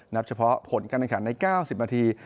นับเฉพาะผลการณ์ขันใน๙๐นาที